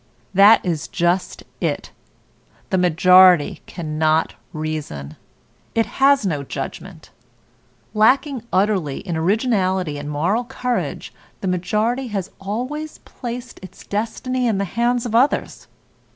That is just it, the majority cannot reason; it has no judgment. Lacking utterly in originality and moral courage, the majority has always placed its destiny in the hands of others.